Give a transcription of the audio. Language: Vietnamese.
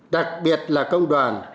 đặc biệt là công đoàn